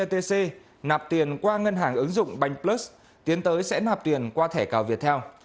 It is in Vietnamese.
vatc nạp tiền qua ngân hàng ứng dụng banh plus tiến tới sẽ nạp tiền qua thẻ cào việt theo